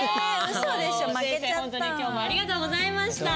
本当に今日もありがとうございました。